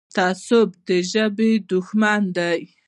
تعصب د ژبې دښمن دی.